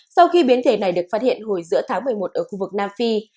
sau khi biến thể này được phát hiện hồi giữa tháng một mươi một ở khu vực nam phi